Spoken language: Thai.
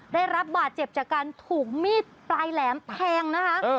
ได้รับบาดเจ็บจากการถูกมีดปลายแหลมแทงนะคะ